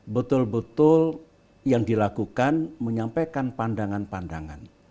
betul betul yang dilakukan menyampaikan pandangan pandangan